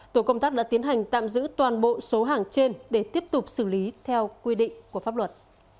tổ công tác đã tiến hành tạm giữ toàn bộ số hàng trên để tiếp tục xử lý theo quy định của pháp luật